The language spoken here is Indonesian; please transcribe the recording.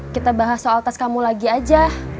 kita bahas soal tes kamu lagi aja